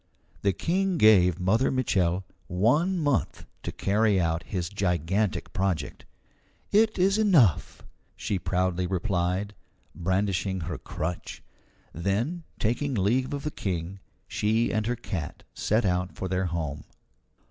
The King gave Mother Mitchel one month to carry out his gigantic project. "It is enough," she proudly replied, brandishing her crutch. Then, taking leave of the King, she and her cat set out for their home.